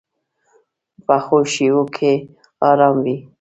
پخو شپو کې آرام وي